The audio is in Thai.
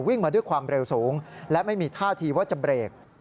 วิ่งมาด้วยความเร็วสูงและไม่มีท่าทีว่าจะเบรก